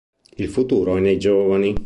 Il futuro è nei giovani”.